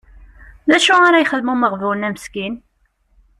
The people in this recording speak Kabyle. D acu ara yexdem umeɣbun-a meskin?